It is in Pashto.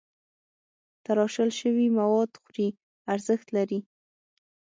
تراشل شوي مواد خوري ارزښت لري.